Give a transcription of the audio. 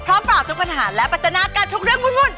ปราบทุกปัญหาและปัจจนากันทุกเรื่องวุ่น